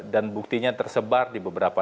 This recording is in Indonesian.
dan buktinya tersebar di beberapa